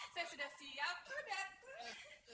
saya sudah siap tuh datuk